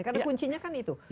karena kuncinya kan itu